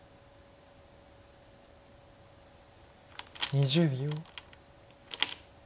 ２０秒。